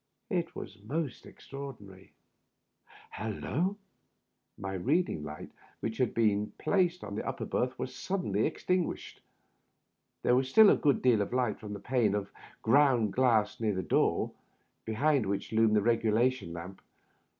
It is most extraordinary — ^hallo!" My reading lantern, which had been placed in the upper berth, was suddenly extinguished. There was still a good deal of light from the pane of ground glass near the door, behind which loomed the regulation lamp.